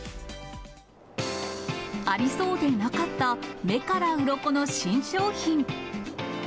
ありそうでなかった、目からうろこの新商品。